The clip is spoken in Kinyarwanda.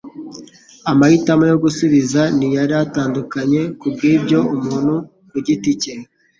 Amahitamo yo gusubiza ntiyari atandukanye kubwibyo umuntu ku giti cye